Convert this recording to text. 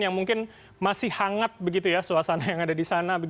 yang mungkin masih hangat begitu ya suasana yang ada di sana